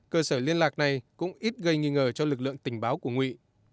cơ sở liên lạc này cũng ít gây nghi ngờ cho lực lượng tình báo của nguyện